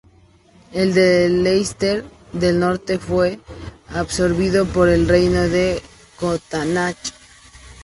El de Leinster del Norte fue absorbido por el reino de Connacht.